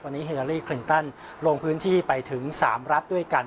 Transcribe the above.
วันนี้เฮลาลีคลินตันลงพื้นที่ไปถึง๓รัฐด้วยกัน